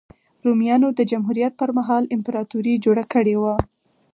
رومیانو د جمهوریت پرمهال امپراتوري جوړه کړې وه.